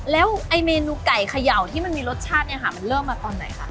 แล้วเมนูไก่ขย่าวที่มันมีรสชาติมันเริ่มมาตอนไหนคะ